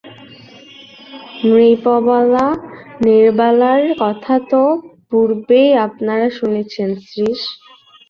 নৃপবালা-নীরবালার কথা তো পূর্বেই আপনারা শুনেছেন– শ্রীশ।